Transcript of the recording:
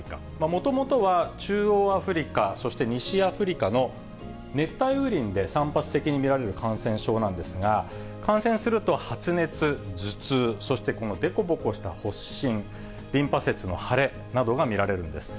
もともとは中央アフリカ、そして西アフリカの熱帯雨林で散発的に見られる感染症なんですが、感染すると発熱、頭痛、そしてこの凸凹した発疹、リンパ節の腫れなどが見られるんです。